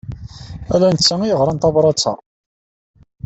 Ala netta ay yeɣran tabṛat-a.